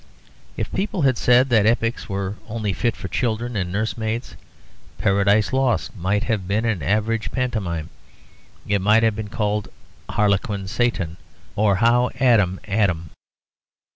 If people had said that epics were only fit for children and nursemaids, 'Paradise Lost' might have been an average pantomime: it might have been called 'Harlequin Satan, or How Adam 'Ad 'em.'